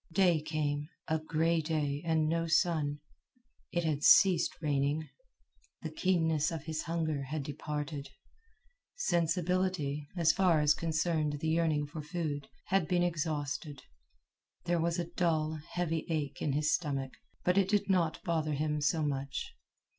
Day came a gray day and no sun. It had ceased raining. The keenness of his hunger had departed. Sensibility, as far as concerned the yearning for food, had been exhausted. There was a dull, heavy ache in his stomach, but it did not bother him so much.